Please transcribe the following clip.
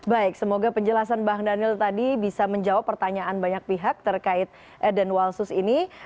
baik semoga penjelasan bang daniel tadi bisa menjawab pertanyaan banyak pihak terkait eden walsus ini